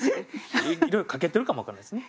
いろいろ掛けてるかも分からないですね。